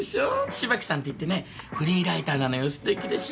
芝木さんて言ってねフリーライターなのよ素敵でしょ。